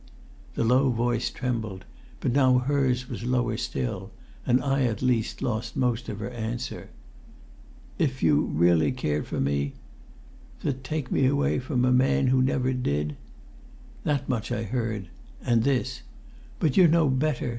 The low voice trembled, but now hers was lower still, and I at least lost most of her answer ... "if you really cared for me ... to take me away from a man who never did!" That much I heard, and this: "But you're no better!